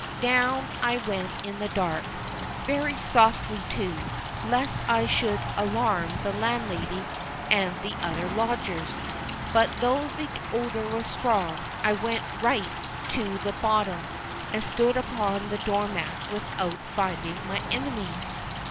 Down I went in the dark very softly, too, lest I should alarm the landlady and the other lodgers; but, though the odour was strong, I went right to the bottom, and stood upon the door mat without finding my enemies.